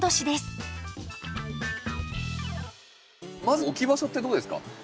まず置き場所ってどうですか？